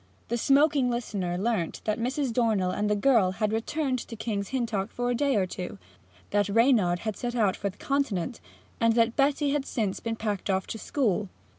The smoking listener learnt that Mrs. Dornell and the girl had returned to King's Hintock for a day or two, that Reynard had set out for the Continent, and that Betty had since been packed off to school.